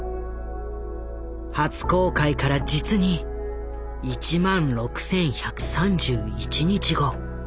初公開から実に１万６，１３１日後。